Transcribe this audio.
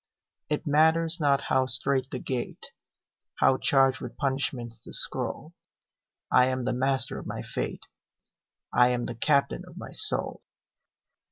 It matters not how strait the gate, How charged with punishments the scroll, I am the master of my fate: I am the captain of my soul.